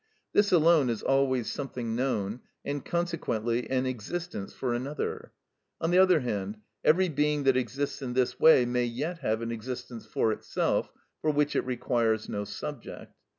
This alone is always something known, and consequently an existence for another. On the other hand, every being that exists in this way may yet have an existence for itself, for which it requires no subject.